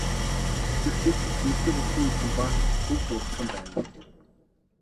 Цэцэрлэгт зэрлэг усан үзэм ба хөвд ургасан байв.